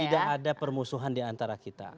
tidak ada permusuhan di antara kita